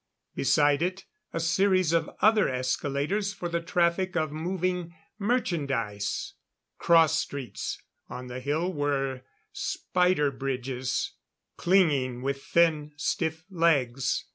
Beside it, a series of other escalators for the traffic of moving merchandise. Cross streets on the hill were spider bridges, clinging with thin, stiff legs.